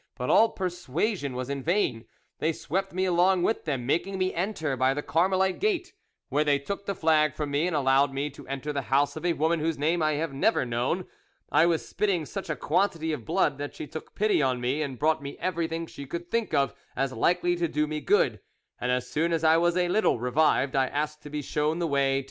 But all persuasion was in vain; they swept me along with them, making me enter by the Carmelite Gate, where they took the flag from me and allowed me to enter the house of a woman whose name I have never known. I was spitting such a quantity of blood that she took pity on me and brought me everything she could think of as likely to do me good, and as soon as I was a little revived I asked to be shown the way to M.